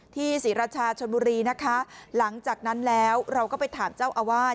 ศรีราชาชนบุรีนะคะหลังจากนั้นแล้วเราก็ไปถามเจ้าอาวาส